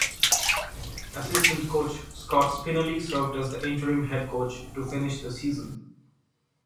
Assistant Coach Scott Spinelli served as the interim head coach to finish the season.